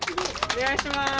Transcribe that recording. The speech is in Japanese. お願いします！